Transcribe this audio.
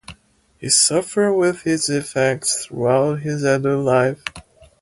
He suffered with its effects throughout his adult life.